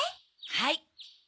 はい。